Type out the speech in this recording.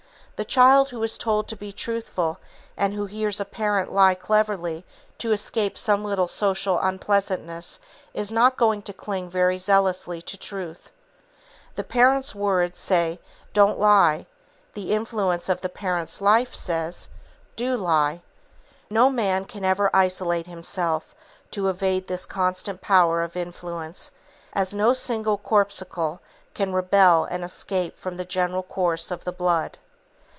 The child who is told to be truthful and who hears a parent lie cleverly to escape some little social unpleasantness is not going to cling very zealously to truth. The parent's words say "don't lie," the influence of the parent's life says "do lie." No man can ever isolate himself to evade this constant power of influence, as no single corpuscle can rebel and escape from the general course of the blood.